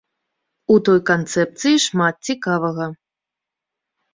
У той канцэпцыі шмат цікавага.